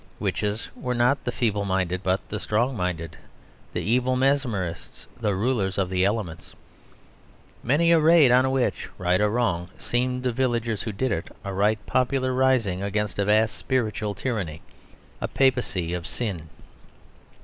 Witches were not the feeble minded, but the strong minded the evil mesmerists, the rulers of the elements. Many a raid on a witch, right or wrong, seemed to the villagers who did it a righteous popular rising against a vast spiritual tyranny, a papacy of sin.